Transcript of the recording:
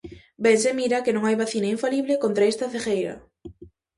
Ben se mira que non hai vacina infalible contra esta cegueira.